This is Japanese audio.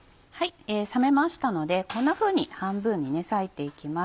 冷めましたのでこんなふうに半分に割いていきます。